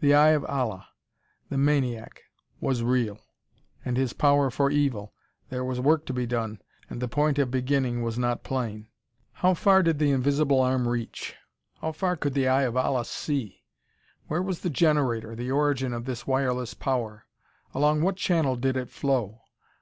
The Eye of Allah the maniac was real; and his power for evil! There was work to be done, and the point of beginning was not plain. How far did the invisible arm reach? How far could the Eye of Allah see? Where was the generator the origin of this wireless power; along what channel did it flow?